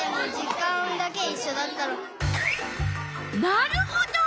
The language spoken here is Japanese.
なるほど。